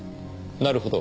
なるほど。